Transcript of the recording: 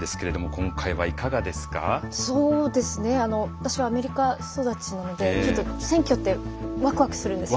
私はアメリカ育ちなので選挙ってワクワクするんですよ。